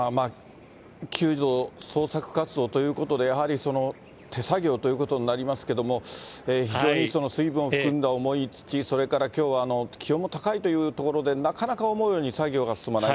救助、捜索活動ということで、やはり手作業ということになりますけれども、非常に水分を含んだ重い土、それからきょうは気温も高いというところで、なかなか思うように作業が進まない。